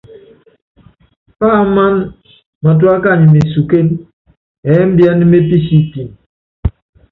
Páámána matúá kany mesukén ɛ́mbíɛ́n mépísíítín.